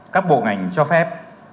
các bộ ngành cho phép